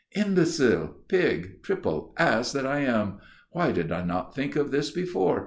"Imbecile, pig, triple ass that I am! Why did I not think of this before?